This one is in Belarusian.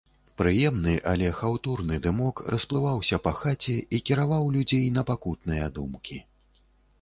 Прыемны, але хаўтурны дымок расплываўся па хаце і кіраваў людзей на пакутныя думкі.